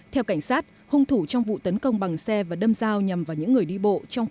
theo cảnh sát hung thủ trong vụ tấn công bằng xe và đâm dao nhằm vào những người đi bộ trong